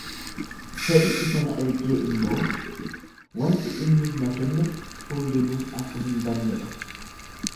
Fedhi isa na ergee immoo, wanti inni na kenne hundinuu akka hin banne dha.